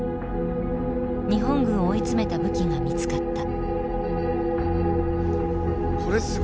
日本軍を追い詰めた武器が見つかった。